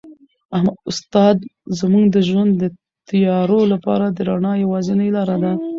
استاد زموږ د ژوند د تیارو لپاره د رڼا یوازینۍ لاره ده.